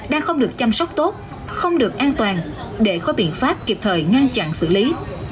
đang không được chăm sóc tốt không được an toàn để có biện pháp kịp thời ngăn chặn xử lý